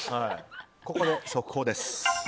ここで速報です。